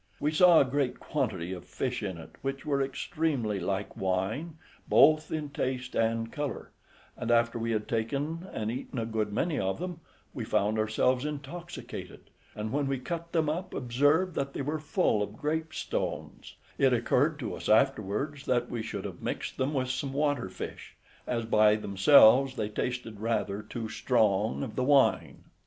We saw a great quantity of fish in it which were extremely like wine, both in taste and colour, and after we had taken and eaten a good many of them we found ourselves intoxicated; and when we cut them up, observed that they were full of grape stones; it occurred to us afterwards that we should have mixed them with some water fish, as by themselves they tasted rather too strong of the wine.